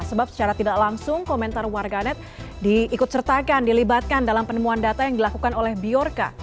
sebab secara tidak langsung komentar warganet diikut sertakan dilibatkan dalam penemuan data yang dilakukan oleh biorca